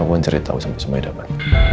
aku mau ceritau sampai semuanya dapat